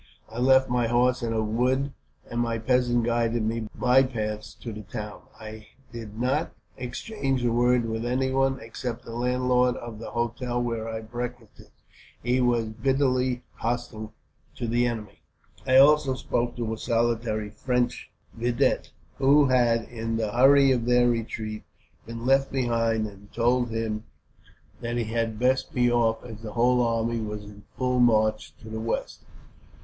I left my horse in a wood, and my peasant guided me by bypaths to the town. I did not exchange a word with anyone, except the landlord of the hotel where I breakfasted. He was bitterly hostile to the enemy. "I also spoke to a solitary French vidette who had, in the hurry of their retreat, been left behind; and told him that he had best be off, as the whole army was in full march for the west."